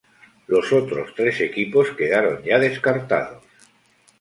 Los otros tres equipos quedaron ya descartados.